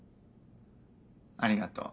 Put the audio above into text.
ありがとう。